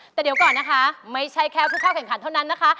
แต่เดี๋ยวก่อนนะคะไม่ใช่แค่ผู้เข้าแข่งขันเท่านั้นนะคะ